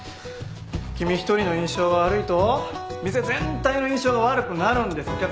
君１人の印象が悪いと店全体の印象が悪くなるんです。